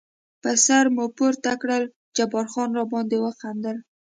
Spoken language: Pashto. پر سر مو پورته کړل، جبار خان را باندې وخندل.